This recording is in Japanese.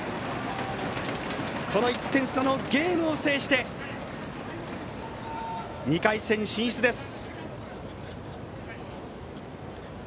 この１点差のゲームを制して２回戦進出です。